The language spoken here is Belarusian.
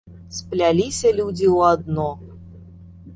Спляліся людзі ў адно.